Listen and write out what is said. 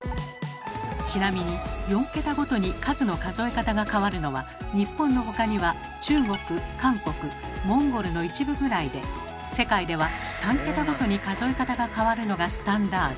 ちなみに４桁ごとに数の数え方が変わるのは日本の他には中国韓国モンゴルの一部ぐらいで世界では３桁ごとに数え方が変わるのがスタンダード。